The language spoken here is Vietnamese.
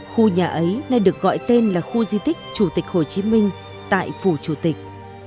khu nhà ấy nay được gọi tên là khu di tích chủ tịch hồ chí minh tại phủ chủ tịch